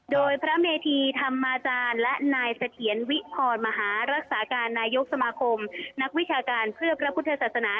โดยพระเมธีธรรมาจารย์และนายเสถียรวิพรมหารักษาการนายกสมาคมนักวิชาการเพื่อพระพุทธศาสนา